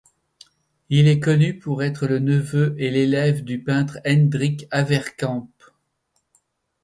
Il est connu pour être le neveu et l'élève du peintre Hendrick Avercamp.